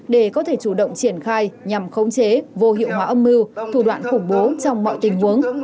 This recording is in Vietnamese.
để có thể chủ động triển khai nhằm khống chế vô hiệu hóa âm mưu thủ đoạn khủng bố trong mọi tình huống